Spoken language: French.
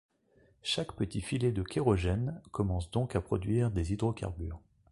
Chaque petit filet de kérogène commence donc à produire des hydrocarbures.